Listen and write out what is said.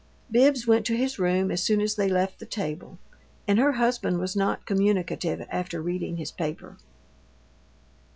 Bibbs went to his room as soon as they left the table, and her husband was not communicative after reading his paper.